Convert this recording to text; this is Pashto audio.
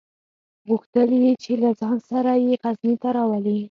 غوښتل یې چې له ځان سره یې غزني ته راولي.